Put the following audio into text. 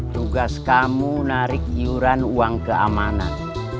tugas kamu narik yuran uang keamanan